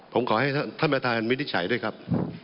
ผมขอให้ท่านประธานวินิจฉัยด้วยครับ